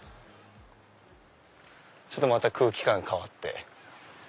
ちょっとまた空気感変わって。